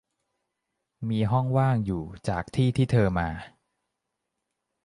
มีห้องว่างอยู่จากที่ที่เธอมา